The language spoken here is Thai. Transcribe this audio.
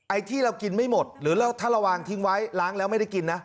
ไอ้ที่เรากินไม่หมดหรือถ้าเราวางทิ้งไว้ล้างแล้วไม่ได้กินนะ